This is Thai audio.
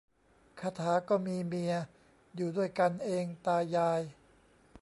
คาถาก็มีเมีย อยู่ด้วยกันเองตายาย